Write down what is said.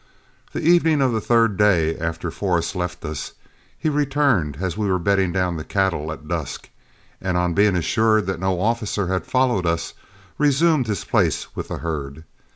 The evening of the third day after Forrest left us, he returned as we were bedding down the cattle at dusk, and on being assured that no officers had followed us, resumed his place with the herd.